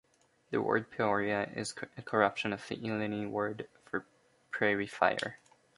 The word "peoria" is a corruption of the Illini word for "prairie fire.